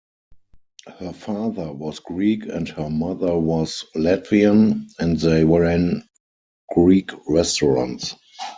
Her father was Greek and her mother was Latvian, and they ran Greek restaurants.